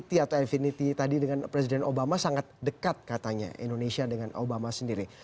pt atau infinity tadi dengan presiden obama sangat dekat katanya indonesia dengan obama sendiri